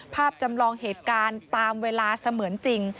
จำลองเหตุการณ์ตามเวลาเสมือนจริง